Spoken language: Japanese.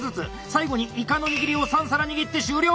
最後にイカの握りを３皿握って終了！